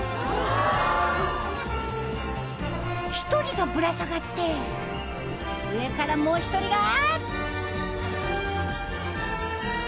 １人がぶら下がって上からもう１人が。